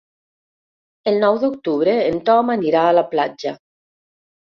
El nou d'octubre en Tom anirà a la platja.